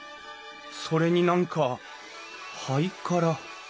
それに何かハイカラ。